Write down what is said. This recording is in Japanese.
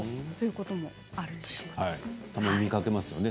たまに見かけますよね